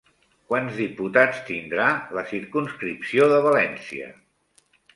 Quants diputats tindrà la circumscripció de València?